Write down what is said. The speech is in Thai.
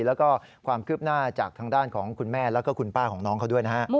แล้วก็ความคืบหน้าจากทางด้านของคุณแม่แล้วก็คุณป้าของน้องเขาด้วยนะฮะ